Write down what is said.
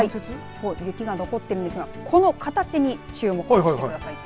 雪が残っているんですがこの形に注目してください。